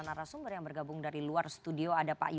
terima kasih pak